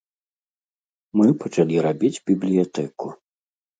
Мы пачалі рабіць бібліятэку.